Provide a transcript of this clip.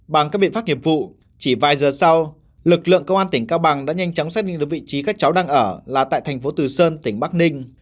bằng các biện pháp nghiệp vụ chỉ vài giờ sau lực lượng công an tỉnh cao bằng đã nhanh chóng xác định được vị trí các cháu đang ở là tại thành phố từ sơn tỉnh bắc ninh